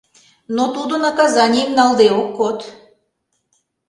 — но тудо наказанийым налде ок код.